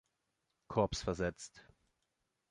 Korps versetzt.